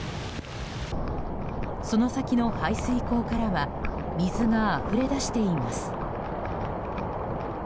その先の排水溝からは水があふれ出しています。